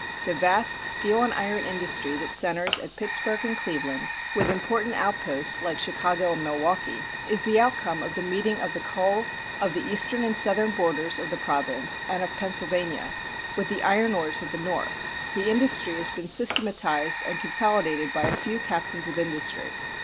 The vast steel and iron industry that centers at Pittsburgh and Cleveland, with important outposts like Chicago and Milwaukee, is the outcome of the meeting of the coal of the eastern and southern borders of the province and of Pennsylvania, with the iron ores of the north. The industry has been systematized and consolidated by a few captains of industry.